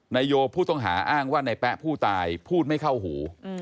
นายโยผู้ต้องหาอ้างว่าในแป๊ะผู้ตายพูดไม่เข้าหู